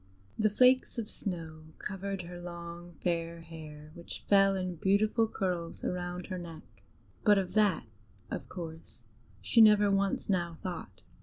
The flakes of snow covered her long fair hair, which fell in beautiful curls around her neck; but of that, of course, she never once now thought.